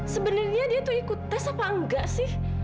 sebenarnya dia tuh ikut tes apa enggak sih